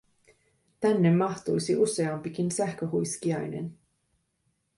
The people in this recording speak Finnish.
Tänne mahtuisi useampikin sähköhuiskiainen.